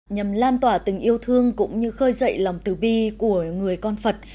nhằm lan tỏa từng yêu thương cũng như khơi dậy lòng từ bi của người con phật